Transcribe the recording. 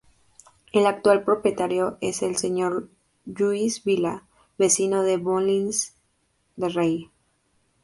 El actual propietario es el señor Lluís Vila, vecino de Molins de Rei.